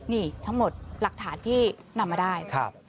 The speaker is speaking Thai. นี่ทั้งหมดหลักฐานที่นำมาได้